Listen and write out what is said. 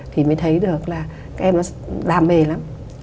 thì mới thấy được là các em nó đam mê lắm